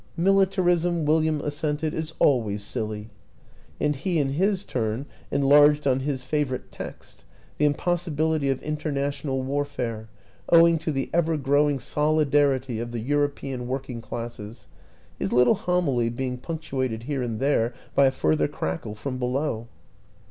" Militarism," William assented, " is always silly." And he, in his turn, enlarged on his fa vorite text, the impossibility of international war fare, owing to the ever growing solidarity of the European working classes his little homily be ing punctuated here and there by a further crackle from below.